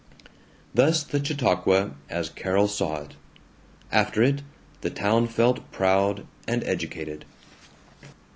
Thus the Chautauqua, as Carol saw it. After it, the town felt proud and educated.